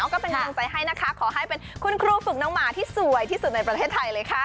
ก็เป็นกำลังใจให้นะคะขอให้เป็นคุณครูฝึกน้องหมาที่สวยที่สุดในประเทศไทยเลยค่ะ